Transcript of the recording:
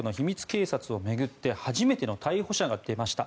警察を巡って初めての逮捕者が出ました。